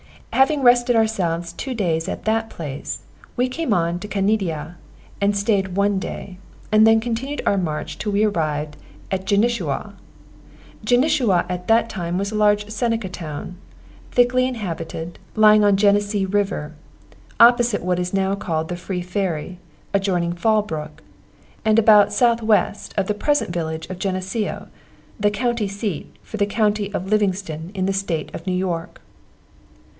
Having rested ourselves two days at that place, we came on to Caneadea and stayed one day, and then continued our march till we arrived at Genishau. Genishau at that time was a large Seneca town, thickly inhabited, lying on Genesee river, opposite what is now called the Free Ferry, adjoining Fall Brook, and about south west of the present village of Geneseo, the county seat for the county of Livingston, in the state of New York.